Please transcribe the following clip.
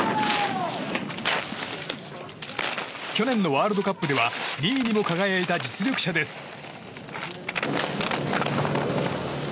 去年のワールドカップでは２位にも輝いた実力者です。